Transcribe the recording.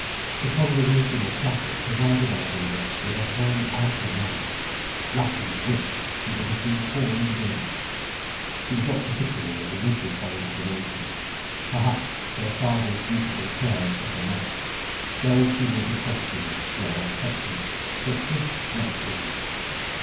The Congregational Chapel provided Alvina with a whole outer life, lacking which she would have been poor indeed. She was not particularly religious by inclination. Perhaps her father's beautiful prayers put her off. So she neither questioned nor accepted, but just let be.